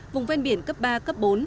vùng ven biển cấp ba cấp bốn